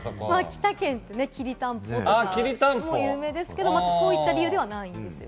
秋田県はきりたんぽとかも有名ですけれども、またそういった理由ではないんですよ。